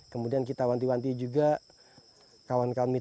kemudian kita wanti wanti juga kawan kawan mitra kita tidak membuang sampah